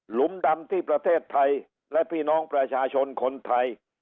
ลุมดำที่ประเทศไทยและพี่น้องประชาชนคนไทย